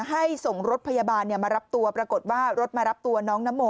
ให้ส่งรถพยาบาลมารับตัวปรากฏว่ารถมารับตัวน้องนโม